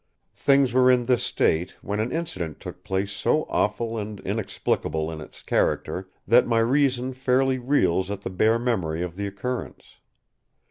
Things were in this state when an incident took place so awful and inexplicable in its character that my reason fairly reels at the bare memory of the occurrence.